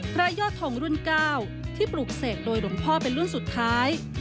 ยอดทงรุ่น๙ที่ปลูกเสกโดยหลวงพ่อเป็นรุ่นสุดท้าย